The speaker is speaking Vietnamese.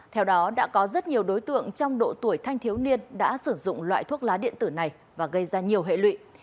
theo đó đã có rất nhiều đối tượng trong độ tuổi thanh thiếu niên đã sử dụng loại thuốc lá điện tử này và gây ra nhiều hệ lụy